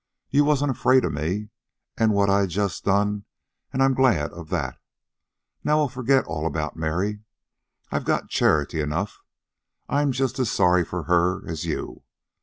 You wasn't afraid of me an' what I just done, an' I'm glad of that. Now we'll forget all about Mary. I got charity enough. I'm just as sorry for her as you.